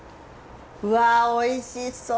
うわおいしそう！